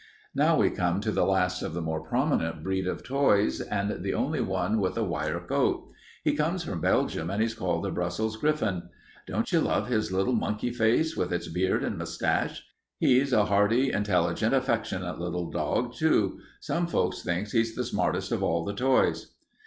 "Now we come to the last of the more prominent breeds of toys, and the only one with a wire coat. He comes from Belgium and he's called the Brussels griffon. Don't you love his little monkey face, with its beard and mustache? He's a hardy, intelligent, affectionate little dog, too. Some folks think he's the smartest of all the toys.